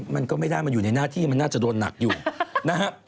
มันก็ไม่ได้มันอยู่ในหน้าที่มันน่าจะโดนหนักอยู่นะครับ